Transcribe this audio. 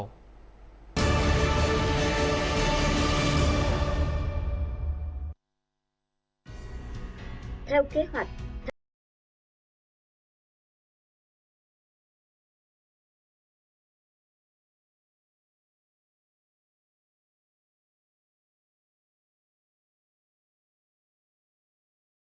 theo kế hoạch